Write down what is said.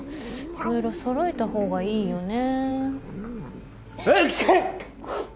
色々揃えたほうがいいよね